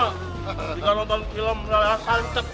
jika nonton film asal cek